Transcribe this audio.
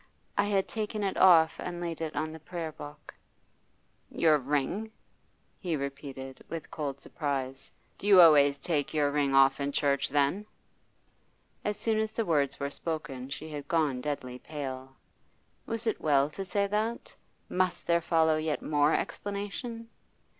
I had taken it off and laid it on the Prayer book.' 'Your ring?' he repeated, with cold surprise. 'Do you always take your ring off in church, then?' As soon as the words were spoken she had gone deadly pale. Was it well to say that? Must there follow yet more explanation?